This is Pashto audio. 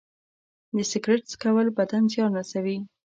د سګرټ څکول بدن زیان رسوي.